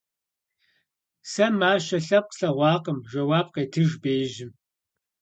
- Сэ мащэ лъэпкъ слъэгъуакъым! - жэуап къетыж беижьым.